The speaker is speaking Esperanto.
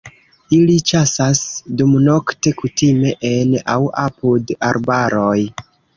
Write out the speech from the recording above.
Ili ĉasas dumnokte, kutime en aŭ apud arbaroj.